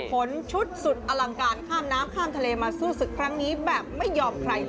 ชุดสุดอลังการข้ามน้ำข้ามทะเลมาสู้ศึกครั้งนี้แบบไม่ยอมใคร